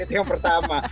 itu yang pertama